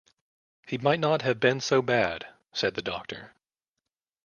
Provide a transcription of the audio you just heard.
“He might not have been so bad,” said the doctor.